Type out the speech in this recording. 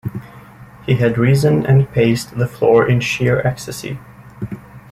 He had risen and paced the floor in sheer ecstasy.